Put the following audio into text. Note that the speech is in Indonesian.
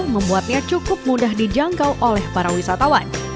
membuatnya cukup mudah dijangkau oleh para wisatawan